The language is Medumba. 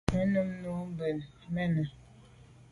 Me num nu à bû mèn i.